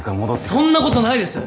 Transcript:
そんなことないです。